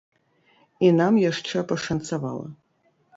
І нам яшчэ пашанцавала.